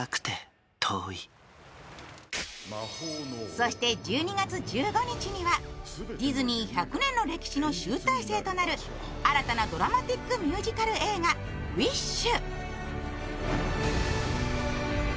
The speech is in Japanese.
そして１２月１５日にはディズニー１００年の歴史の集大成となる新たなドラマチック・ミュージカル映画「ウィッシュ」。